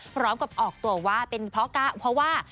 พร้อมกับออกตัวว่าเป็นเพราะว่า